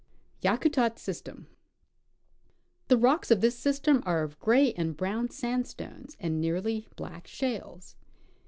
Yakutat System. The rocks of this system are of gray and brown sandstones and nearly black shales.